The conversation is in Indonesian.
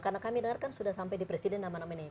karena kami dengar kan sudah sampai di presiden nama nama ini